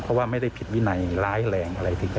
เพราะว่าไม่ได้ผิดวินัยร้ายแรงอะไรถึงจะ